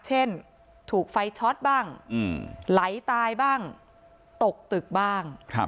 เช่นถูกไฟช็อตบ้างไหลตายบ้างตกตึกบ้าง